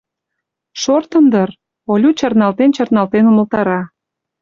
Шортын дыр, — Олю чарналтен-чарналтен умылтара.